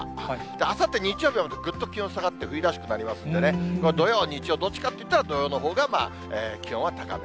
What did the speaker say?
あさって日曜日はぐっと気温下がって、冬らしくなりますんでね、土曜、日曜、どっちかといったら土曜のほうが気温は高め。